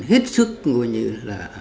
hết sức như là